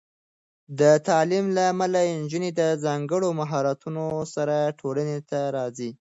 د تعلیم له امله، نجونې د ځانګړو مهارتونو سره ټولنې ته راځي.